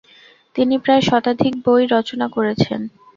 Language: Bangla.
তিনি প্রায় শতাধিক বই রচনা করেছেন।